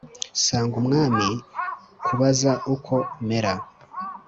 Nsanga Umwami kubaza uko mera